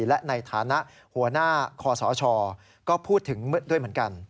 และในฐานะหัวหน้าคอสชก็พูดถึงด้วยเหมือนกัน